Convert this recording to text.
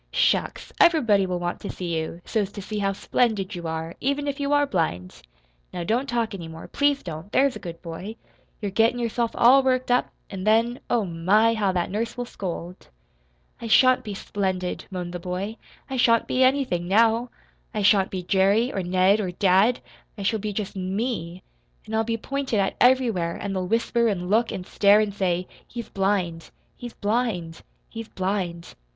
"Shucks! Everybody will want to see you, so's to see how splendid you are, even if you are blind. Now don't talk any more please don't; there's a good boy. You're gettin' yourself all worked up, an' then, oh, my, how that nurse will scold!" "I shan't be splendid," moaned the boy. "I shan't be anything, now. I shan't be Jerry or Ned or dad. I shall be just ME. And I'll be pointed at everywhere; and they'll whisper and look and stare, and say, 'He's blind he's blind he's blind.'